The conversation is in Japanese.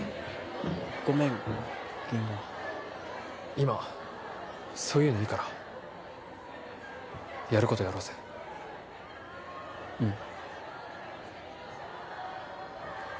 今そういうのいいからやることやろうぜうん